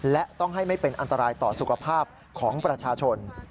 และต้องให้ไม่เป็นอันตรายต่อสุขภาพของประชาชน